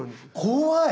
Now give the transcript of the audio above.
怖い。